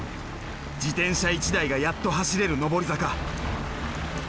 自転車１台がやっと走れる上り坂。